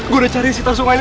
gua udah cari sitar sungai ini